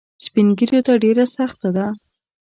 سپین ږیرو ته ډېره سخته ده.